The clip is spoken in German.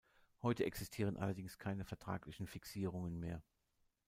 Heute existieren allerdings keine vertraglichen Fixierungen mehr.